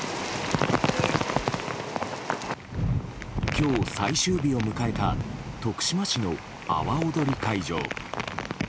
今日、最終日を迎えた徳島市の阿波おどり会場。